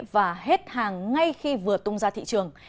và hết hàng ngay khi vừa tung ra thị trường